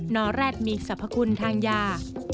อแร็ดมีสรรพคุณทางยา